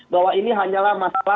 bahwa ini hanyalah masalah